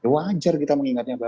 wajar kita mengingatnya banget